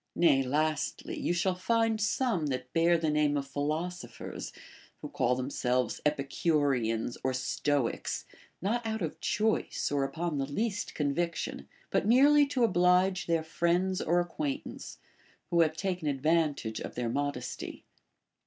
Nay, lastly, you shall find some that bear the name of philosophers, λνΐιο call themselves Epicureans or Stoics, not out of choice, or upon the least conviction, but merely to oblige their friends or acquaintance, who have taken advantage of their modesty.